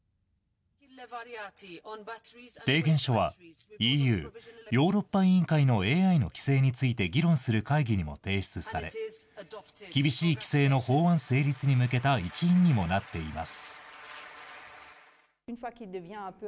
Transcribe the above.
提言書は、ＥＵ・ヨーロッパ委員会のＡＩの規制について議論する会議にも提出され、厳しい規制の法案成立に向けた一因にもなっています。